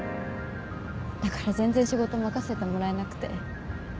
だから全然仕事任せてもらえなくて